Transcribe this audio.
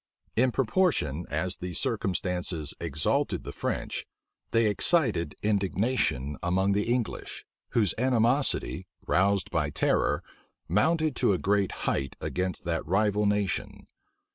In proportion as these circumstances exalted the French, they excited indignation among the English, whose animosity, roused by terror, mounted to a great height against that rival nation.